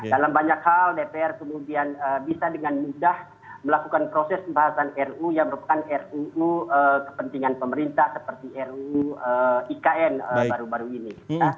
dalam banyak hal dpr kemudian bisa dengan mudah melakukan proses pembahasan ruu yang merupakan ruu kepentingan pemerintah seperti ruu ikn baru baru ini